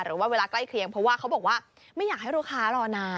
เวลาใกล้เคียงเพราะว่าเขาบอกว่าไม่อยากให้ลูกค้ารอนาน